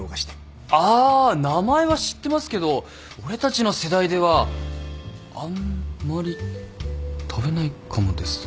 あ名前は知ってますけど俺たちの世代ではあんまり食べないかもですね。